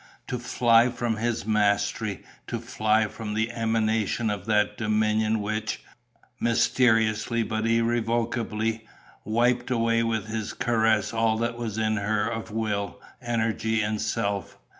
To fly from his mastery, to fly from the emanation of that dominion which, mysteriously but irrevocably, wiped away with his caress all that was in her of will, energy and self.